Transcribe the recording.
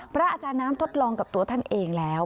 พระอาจารย์น้ำทดลองกับตัวท่านเองแล้ว